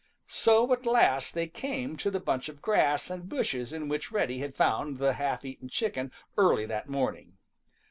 So at last they came to the bunch of grass and bushes in which Reddy had found the half eaten chicken early that morning.